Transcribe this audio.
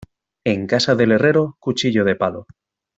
En casa del herrero, cuchillo de palo.